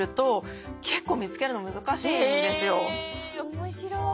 面白い！